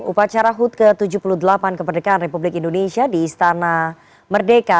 upacara hud ke tujuh puluh delapan kemerdekaan republik indonesia di istana merdeka